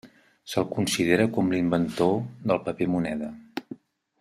Se'l considera com l'inventor del paper moneda.